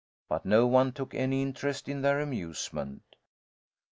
But no one took any interest in their amusement.